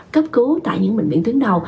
cấp cứu tại những bệnh viện tuyến đầu